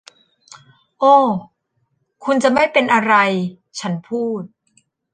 โอ้ คุณจะไม่เป็นอะไร ฉันพูด